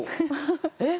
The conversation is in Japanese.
えっ？